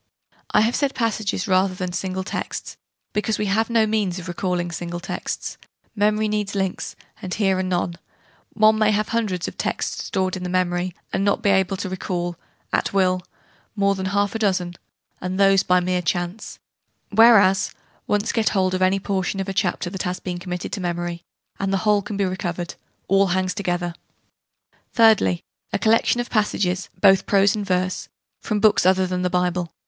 I have said 'passages,' rather than single texts, because we have no means of recalling single texts: memory needs links, and here are none: one may have a hundred texts stored in the memory, and not be able to recall, at will, more than half a dozen and those by mere chance: whereas, once get hold of any portion of a chapter that has been committed to memory, and the whole can be recovered: all hangs together. Thirdly, a collection of passages, both prose and verse, from books other than the Bible.